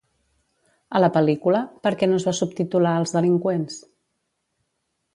A la pel·lícula, per què no es va subtitular als delinqüents?